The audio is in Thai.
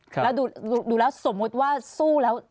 แล้วดูแล้วสมมุติว่าสู้แล้ว